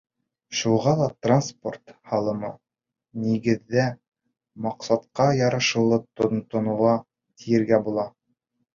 Шуға ла транспорт һалымы, нигеҙҙә, маҡсатҡа ярашлы тотонола, тиергә була.